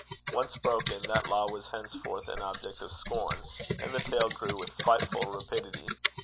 Once broken, that law was henceforth an object of scorn, and the tail grew with frightful rapidity.